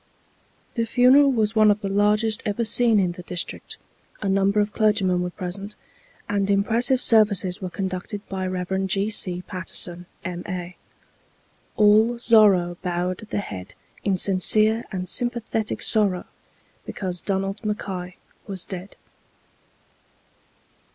The funeral was one of the largest ever seen in the district; a number of clergymen were present, and impressive services were conducted by Rev. G. C. Patterson, M.A. All Zorra bowed the head in sincere and sympathetic sorrow because Donald Mackay was dead.